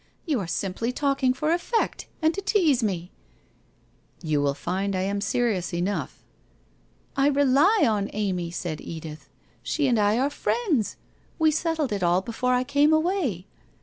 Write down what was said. You arc simply talk ing for effect, and to tease me.' ' You will find I am serious enough.' ' I rely on Amy,' said Edith. ' She and I are friends. We settled it all before I came away.'